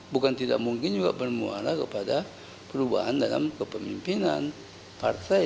bukan tidak mungkin juga bermuara kepada perubahan dalam kepemimpinan partai